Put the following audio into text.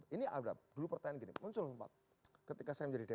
ini ada dulu pertanyaan gini muncul sempat ketika saya menjadi dp